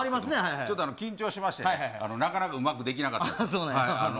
ちょっと緊張しましてね、なかなかうまくできなかったんです。